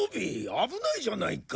危ないじゃないか。